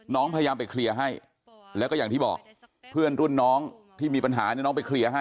น้องพยายามไปเคลียร์ให้แล้วก็อย่างที่บอกเพื่อนรุ่นน้องที่มีปัญหาเนี่ยน้องไปเคลียร์ให้